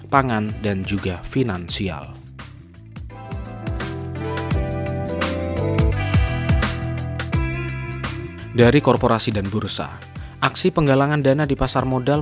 pangan dan juga finansial dari korporasi dan bursa aksi penggalangan dana di pasar modal